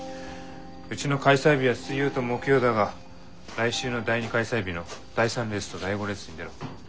うちの開催日は水曜と木曜だが来週の第２開催日の第３レースと第５レースに出ろ。